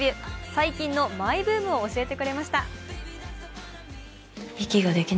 最近のマイブームを教えてくれました。